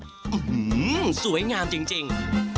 อื้อหือสวยงามจริง